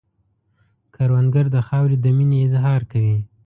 کروندګر د خاورې د مینې اظهار کوي